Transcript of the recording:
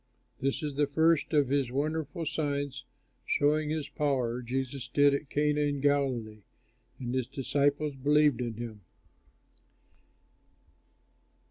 This the first of his wonderful signs, showing his power, Jesus did at Cana in Galilee; and his disciples believed in him.